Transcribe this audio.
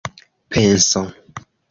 penso